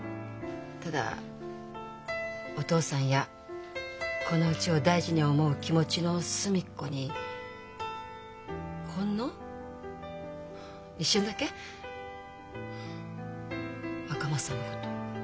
ただお父さんやこのうちを大事に思う気持ちの隅っこにほんの一瞬だけ赤松さんのことあった。